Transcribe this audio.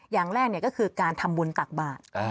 อย่างแรกก็คือการทำบุญตักบาท